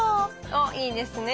おっいいですね。